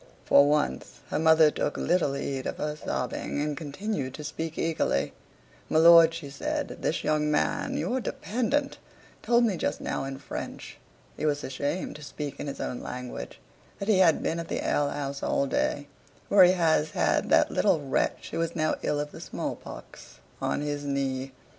For once her mother took little heed of her sobbing, and continued to speak eagerly "My lord," she said, "this young man your dependant told me just now in French he was ashamed to speak in his own language that he had been at the ale house all day, where he has had that little wretch who is now ill of the small pox on his knee.